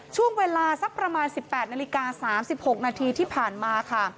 ช่วงเวลาสักประมาณ๑๘นาฬิกา๓๖นาทีที่ผ่านมาค่ะ